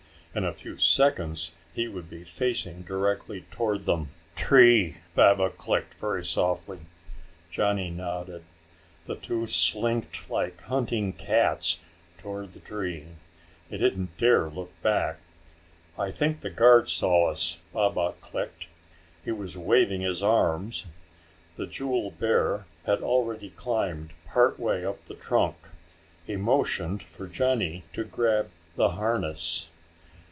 In a few seconds he would be facing directly toward them. "Tree," Baba clicked very softly. Johnny nodded. The two slinked like hunting cats toward the tree. They didn't dare look back. "I think the guard saw us," Baba clicked. "He was waving his arms." The jewel bear had already climbed part way up the trunk. He motioned for Johnny to grab the harness.